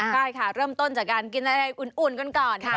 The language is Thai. ได้ค่ะเริ่มต้นจากการกินได้อุ่นก่อน